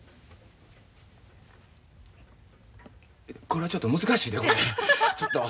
これはちょっと難しいでちょっと。